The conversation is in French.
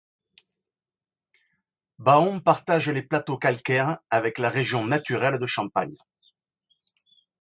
Baon partage les plateaux calcaires avec la région naturelle de Champagne.